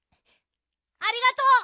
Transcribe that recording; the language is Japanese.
ありがとう！